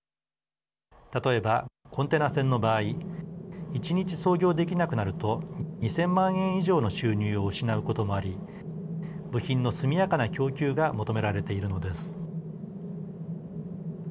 例えば、コンテナ船の場合１日操業できなくなると２０００万円以上の収入を失うこともあり部品の速やかな供給が求められているのです。